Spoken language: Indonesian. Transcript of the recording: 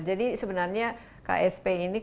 jadi sebenarnya ksp ini